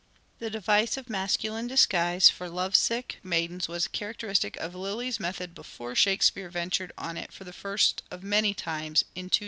The device of masculine disguise for love sick maidens was characteristic of Lyly's method before Shakespeare ventured on it for the first of many times in " Two Lyly's lyrics.